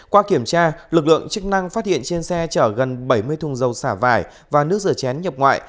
qua kiểm tra lực lượng chức năng phát hiện trên xe chở gần bảy mươi thùng dầu xả vải và nước rửa chén nhập ngoại